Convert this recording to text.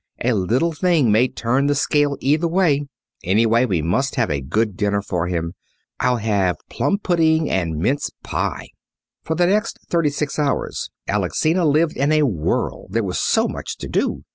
A little thing may turn the scale either way. Anyway, we must have a good dinner for him. I'll have plum pudding and mince pie." For the next thirty six hours Alexina lived in a whirl. There was so much to do.